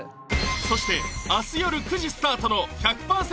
そして明日よる９時スタートの「１００％！